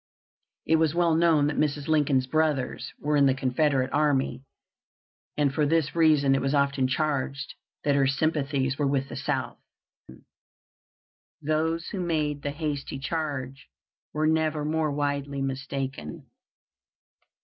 It was well known that Mrs. Lincoln's brothers were in the Confederate army, and for this reason it was often charged that her sympathies were with the South. Those who made the hasty charge were never more widely mistaken.